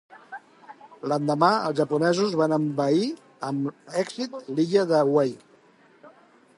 L'endemà, els japonesos van envair amb èxit l'illa de Wake.